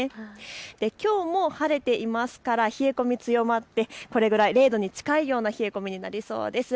きょうも晴れていますから冷え込み、強まってこれぐらい、０度に近いような冷え込みになりそうです。